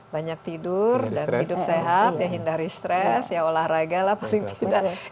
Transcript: banyak tidur dan hidup sehat ya hindari stres ya olahraga lah paling tidak